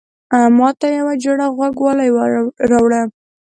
ماته يوه جوړه غوږوالۍ راوړه